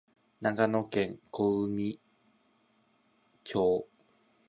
長野県小海町